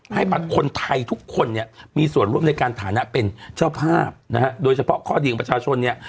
ให้บัตรคนไทยทุกคนเนี่ยมีส่วนร่วมในการฐานะเป็นเจ้าภาพนะฮะโดยเฉพาะข้อดีของประชาชนเนี่ย